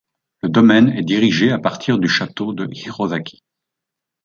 Le domaine est dirigé à partir du château de Hirosaki.